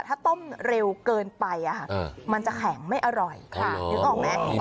ถ้าต้มเร็วเกินไปมันจะแข็งไม่อร่อยนึกออกไหม